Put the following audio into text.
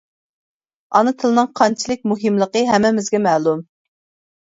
ئانا تىلنىڭ قانچىلىك مۇھىملىقى ھەممىمىزگە مەلۇم.